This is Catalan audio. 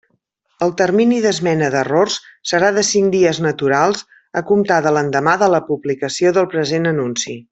El termini d'esmena d'errors serà de cinc dies naturals a comptar de l'endemà de la publicació del present anunci.